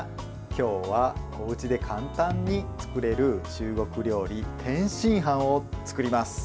今日はおうちで簡単に作れる中国料理天津飯を作ります。